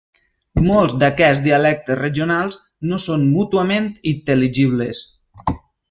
Molts d'aquests dialectes regionals no són mútuament intel·ligibles.